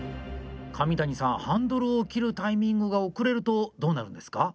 上谷さん、ハンドルを切るタイミングが遅れるとどうなるんですか？